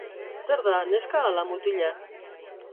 Zer da neska ala mutila?